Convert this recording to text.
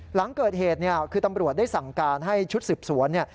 หลังเกิดเหตุคือตำรวจได้สั่งการให้ชุดสิบสวน